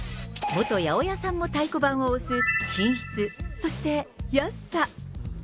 元八百屋さんも太鼓判を押す品質、そして安さ。